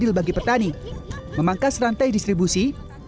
yang adil bagi pertani memangkas rantai distribusi